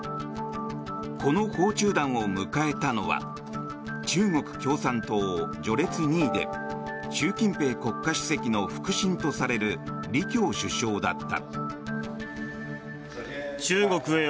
この訪中団を迎えたのは中国共産党序列２位で習近平国家主席の腹心とされる李強首相だった。